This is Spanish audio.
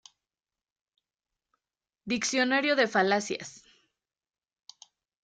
Diccionario de falacias